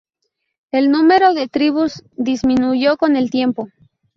El número de tribus disminuyó con el tiempo.